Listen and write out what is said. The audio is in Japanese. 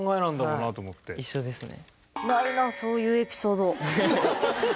一緒ですね。